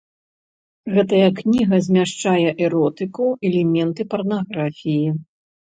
Гэтая кніга змяшчае эротыку, элементы парнаграфіі.